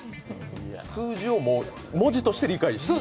数字を文字として理解してという？